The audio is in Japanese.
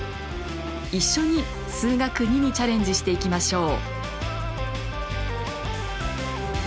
一緒に「数学Ⅱ」にチャレンジしていきましょう。